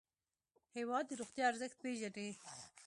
هېواد د روغتیا ارزښت پېژني.